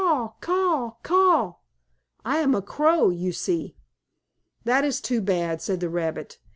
Caw! Caw!' I am a crow, you see." "That is too bad," said the rabbit.